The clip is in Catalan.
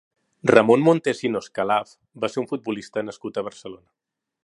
Ramon Montesinos Calaf va ser un futbolista nascut a Barcelona.